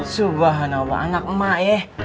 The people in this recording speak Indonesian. subhanallah anak emak ya